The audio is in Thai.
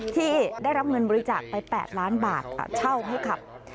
ที่ได้รับเงินบริจาคไป๘ล้านบาทเช่าให้ขับ